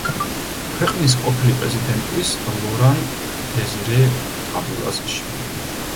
ქვეყნის ყოფილი პრეზიდენტის ლორან-დეზირე კაბილას შვილი.